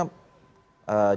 justru kami kan